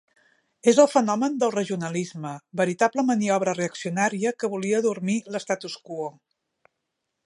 És el fenomen del regionalisme, veritable maniobra reaccionària que volia adormir l'statu quo.